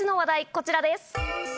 こちらです。